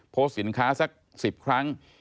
โพสต์สินค้าสัก๑๐ครั้ง